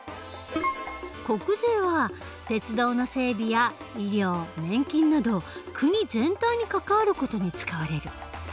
国税は鉄道の整備や医療年金など国全体に関わる事に使われる。